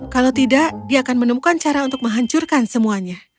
kalau tidak dia akan menemukan cara untuk menghancurkan semuanya